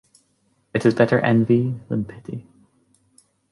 It is better envy than pity.